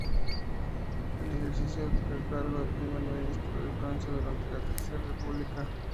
Ejerció el cargo de Primer Ministro de Francia, durante la Tercera República.